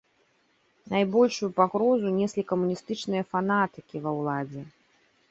Найбольшую пагрозу неслі камуністычныя фанатыкі ва ўладзе.